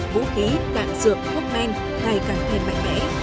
vũ khí tạng dược hốc men ngày càng thêm mạnh mẽ